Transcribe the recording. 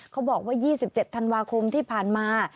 บอกว่า๒๗ธันวาคมที่ผ่านมา